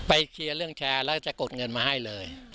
เคลียร์เรื่องแชร์แล้วจะกดเงินมาให้เลย